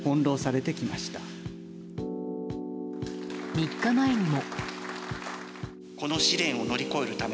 ３日前にも。